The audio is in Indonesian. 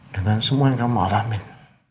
dengan semua yang kamu rame